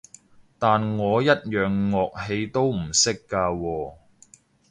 但我一樣樂器都唔識㗎喎